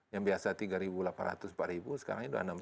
yang biasa rp tiga delapan ratus empat sekarang ini rp dua enam ratus